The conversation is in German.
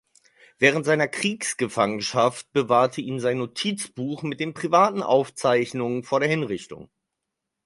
Während seiner Kriegsgefangenschaft bewahrte ihn sein Notizbuch mit den privaten Aufzeichnungen vor der Hinrichtung.